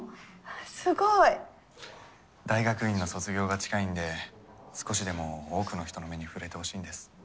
すごい。大学院の卒業が近いんで少しでも多くの人の目に触れてほしいんです。